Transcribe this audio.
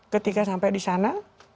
ketika sampai di sana